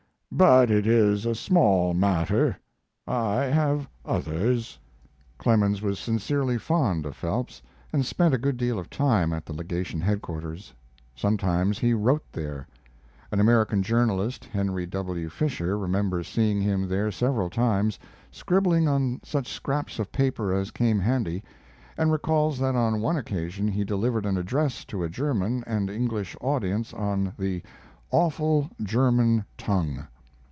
But it is a small matter. I have others." Clemens was sincerely fond of Phelps and spent a good deal of time at the legation headquarters. Sometimes he wrote there. An American journalist, Henry W. Fischer, remembers seeing him there several times scribbling on such scraps of paper as came handy, and recalls that on one occasion he delivered an address to a German and English audience on the "Awful German Tongue."